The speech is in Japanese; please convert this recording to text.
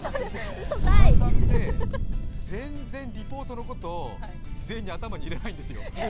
原さんって、全然リポートのこと事前に頭に入れないんですよ。